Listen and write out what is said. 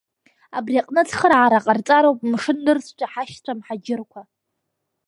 Абри аҟны ацхыраара ҟарҵароуп мшын нырцәтәи ҳашьцәа амҳаџьырқәа.